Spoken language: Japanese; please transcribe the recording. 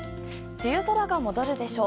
梅雨空が戻るでしょう。